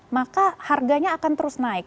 maka harganya akan terus naik